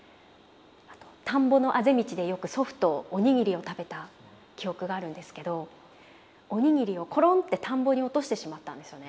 田んぼのあぜ道でよく祖父とおにぎりを食べた記憶があるんですけどおにぎりをコロンって田んぼに落としてしまったんですよね。